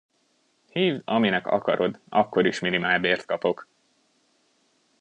Hívd, aminek akarod, akkor is minimálbért kapok.